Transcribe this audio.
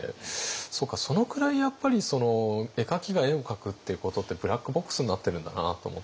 そうかそのくらいやっぱり絵描きが絵を描くっていうことってブラックボックスになってるんだなと思って。